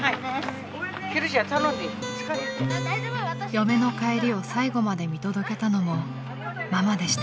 ［嫁の帰りを最後まで見届けたのもママでした］